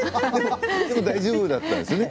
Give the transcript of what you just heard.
大丈夫だったんですよね。